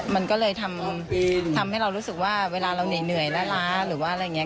มันก็เลยทำให้เรารู้สึกว่าเวลาเราเหนื่อยล้าหรือว่าอะไรอย่างนี้